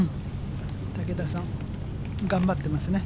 竹田さん、頑張ってますね。